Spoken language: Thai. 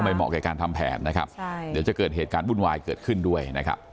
เหมาะกับการทำแผนนะครับเดี๋ยวจะเกิดเหตุการณ์วุ่นวายเกิดขึ้นด้วยนะครับ